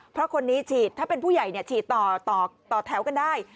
เพราะคนนี้ฉีดถ้าเป็นผู้ใหญ่ฉีดต่อแถวกันได้